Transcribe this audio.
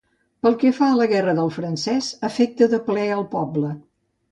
Pel que fa a la guerra del francès, afecta de ple el poble.